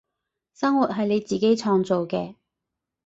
生活係你自己創造嘅